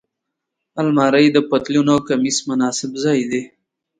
الماري د پتلون او کمیس مناسب ځای دی